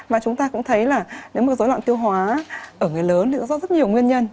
và chúng ta cũng thấy là nếu mà dối loạn tiêu hóa ở người lớn thì nó do rất nhiều nguyên nhân